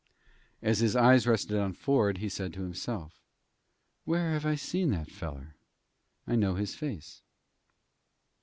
As his eyes rested on Ford, he said to himself: "Where have I seen that feller? I know his face."